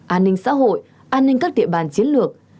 an ninh xã hội an ninh các địa bàn chiến lược